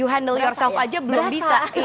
handle yourself aja belum bisa